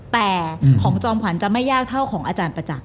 แต่ของจอมขวัญจะไม่ยากเท่าของอาจารย์ประจักษ